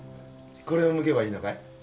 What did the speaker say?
これをむけばいいのかい？